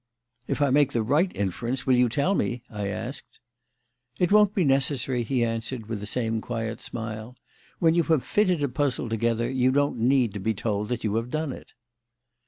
"If I make the right inference, will you tell me?" I asked. "It won't be necessary," he answered, with the same quiet smile. "When you have fitted a puzzle together you don't need to be told that you have done it."